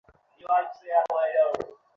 এটা ঠিক না আঙ্কেল।